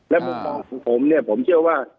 และผมเชื่อว่า